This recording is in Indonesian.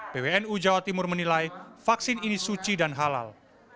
pwnu jawa timur menilai vaksin ini suci dan halal